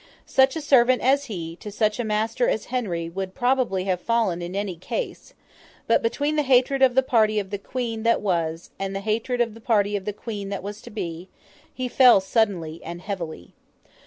Such a servant as he, to such a master as Henry, would probably have fallen in any case; but, between the hatred of the party of the Queen that was, and the hatred of the party of the Queen that was to be, he fell suddenly and heavily.